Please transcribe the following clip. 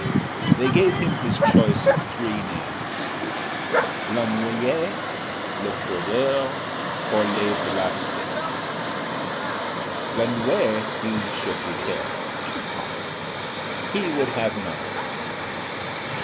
They gave him his choice of three names, l'Ennuyé, le Frondeur, or le Blasé. L'Ennuyé? he shook his head; too common; he would have none of it.